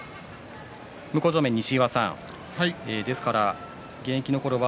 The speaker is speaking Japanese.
向正面の西岩さんですから現役のころは